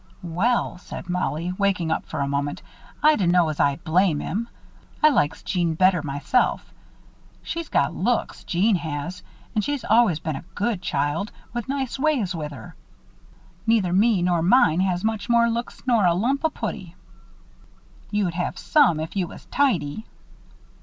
"Well," said Mollie, waking up for a moment, "I dunno as I blame him. I likes Jeanne better myself. She's got looks, Jeanne has; an' she's always been a good child, with nice ways with her. Neither me nor mine has much more looks nor a lump o' putty." "You'd have some, if you was tidy."